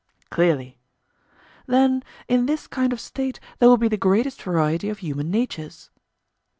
Clearly. Then in this kind of State there will be the greatest variety of human natures?